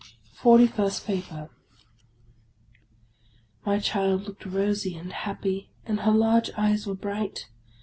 FORTY FIRST PAPER MY child looked rosy and happy, and her large eyes were bright.